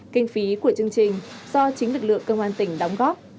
kinh phí của chương trình do chính lực lượng công an tỉnh đóng góp